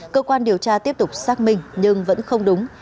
cơ quan điều tra tiếp tục xác minh nhưng vẫn không đúng